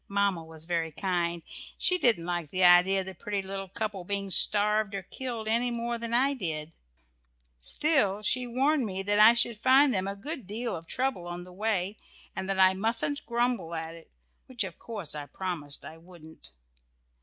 Mamma was very kind she didn't like the idea of the pretty little couple being starved or killed any more than I did, still she warned me that I should find them a good deal of trouble on the way, and that I mustn't grumble at it, which, of course, I promised I wouldn't.